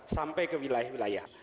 sampai ke wilayah wilayah